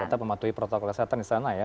tetap mematuhi protokol kesehatan di sana ya